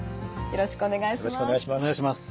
よろしくお願いします。